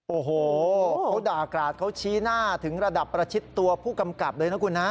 โอ้โหเขาด่ากราดเขาชี้หน้าถึงระดับประชิดตัวผู้กำกับเลยนะคุณนะ